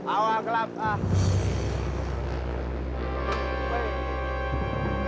awal gelap ah